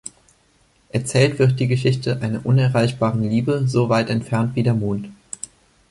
Erzählt wird die Geschichte einer unerreichbaren Liebe, so weit entfernt wie der Mond.